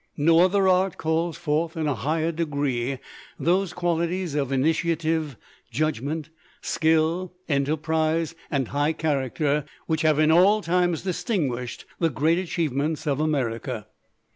No other art calls forth in a higher degree those qualities of initiative, judgment, skill, enterprise, and high character which have in all times distinguished the great achievements of America.